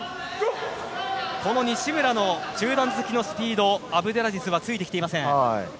この西村の中段突きのスピードにアブデラジズはついてきていません。